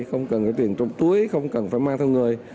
không cần tiền trong túi không cần phải mang theo người